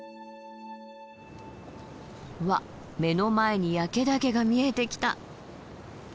うわっ目の前に焼岳が見えてきた！